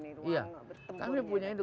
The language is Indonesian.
iya kami punya itu